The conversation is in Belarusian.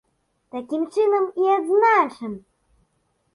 Такім чынам і адзначым!